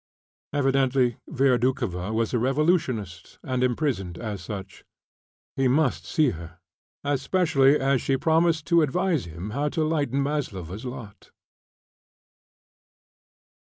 Evidently Vera Doukhova was a revolutionist and imprisoned as such. He must see her, especially as she promised to advise him how to lighten Maslova's lot.